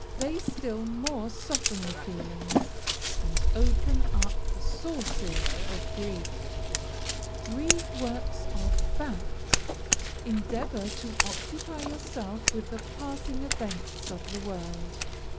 They still more soften the feelings and open up the sources of grief. Read works of fact endeavor to occupy yourself with the passing events of the world.